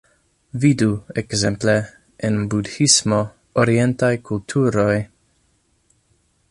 Vidu, ekzemple, en Budhismo, orientaj kulturoj...